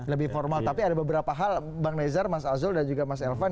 lebih formal tapi ada beberapa hal bang nezar mas azul dan juga mas elvan